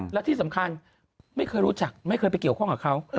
และที่สำคัญไม่เคยรู้จักไม่เคยไปเกี่ยวข้องกับเขา